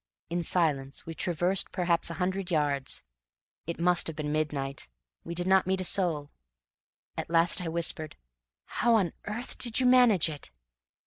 In silence we traversed perhaps a hundred yards. It must have been midnight. We did not meet a soul. At last I whispered: "How on earth did you manage it?"